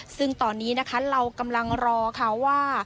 ซึ่งตอนนี้นะคะเรากำลังรอค่ะว่า